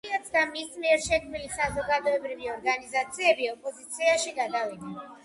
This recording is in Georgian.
პარტიაც და მის მიერ შექმნილი საზოგადოებრივი ორგანიზაციებიც ოპოზიციაში გადავიდნენ.